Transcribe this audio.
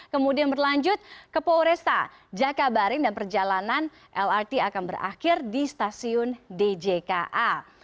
kemudian berlanjut ke polresta jakabaring dan perjalanan lrt akan berakhir di stasiun djka